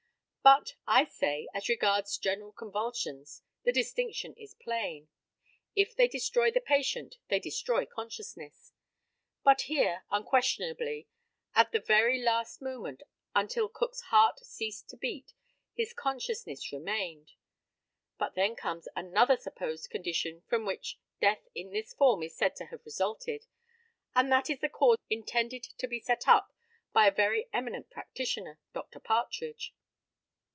But, I say, as regards general convulsions, the distinction is plain. If they destroy the patient, they destroy consciousness. But here, unquestionably, at the very last moment, until Cook's heart ceased to beat, his consciousness remained. But then comes another supposed condition from which death in this form is said to have resulted, and that is the cause intended to be set up by a very eminent practitioner, Dr. Partridge.